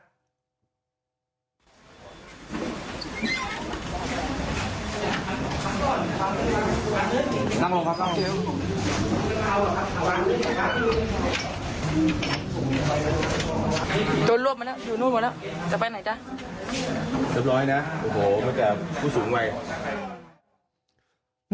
เสร็จร้อยนะโอ้โหไม่แก่ผู้สูงวัย